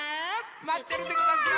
まってるでござんすよ。